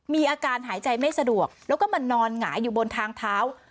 มีอาการหายใจไม่สะดวกแล้วก็มานอนหงายอยู่บนทางเท้า